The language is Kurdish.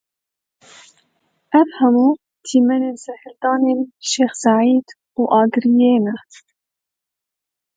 Ev hemû dîmenên serhildanên Şêx Seîd û Agiriyê ne.